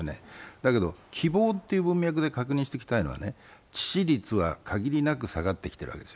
だけど希望っていう文脈で確認していきたいのは、致死率は限りなく下がってきています。